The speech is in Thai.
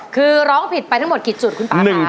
คือร้องผิดไปทั้งหมดกี่จุดคุณป่าค่ะ